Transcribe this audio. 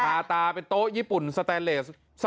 ตาตาเป็นโต๊ะญี่ปุ่นสแตนเลส